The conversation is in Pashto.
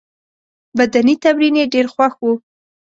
بدني تمرین یې ډېر خوښ وو.